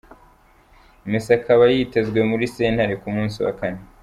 Messi akaba yitezwe muri sentare ku musi wa kane.